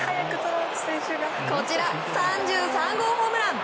こちら、３３号ホームラン。